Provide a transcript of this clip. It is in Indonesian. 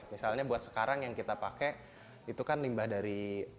misalnya buat sekarang yang kita pakai itu kan limbah dari